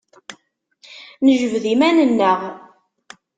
Nejbed iman-nneɣ.